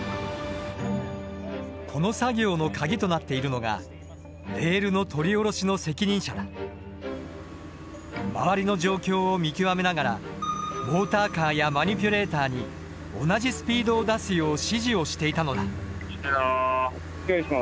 この作業のカギとなっているのが周りの状況を見極めながらモーターカーやマニピュレーターに同じスピードを出すよう指示をしていたのだ。